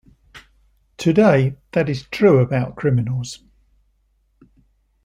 Today that is true about criminals.